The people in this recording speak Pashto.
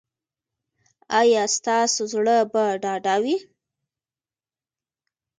ایا ستاسو زړه به ډاډه وي؟